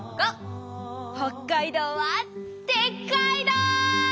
北海道はでっかいど！